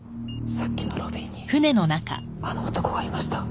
さっきのロビーにあの男がいました。